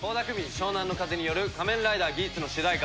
湘南乃風による『仮面ライダーギーツ』の主題歌